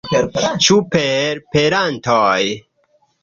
Ĉu per perantoj?